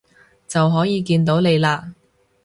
就可以見到你喇